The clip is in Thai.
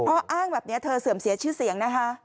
พออ้างแบบนี้เธอเสื่อมเสียชื่อเสียงนะคะ